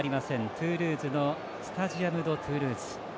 トゥールーズのスタジアム・ド・トゥールーズ。